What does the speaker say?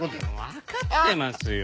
わかってますよ！